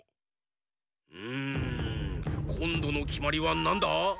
うんこんどのきまりはなんだ？